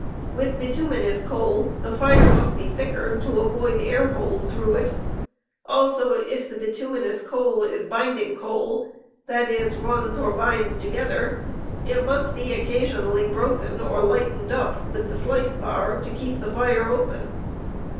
With bituminous coal, the fire must be thicker, to avoid air holt s through it; also if the bituminous coal is " binding" coal, that is, runs or binds together, it must be occasionally broken or lightened up, with the "slice bar," to keep the fire open.